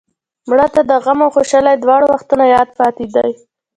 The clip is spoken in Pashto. مړه ته د غم او خوشحالۍ دواړو وختونو یاد پاتې دی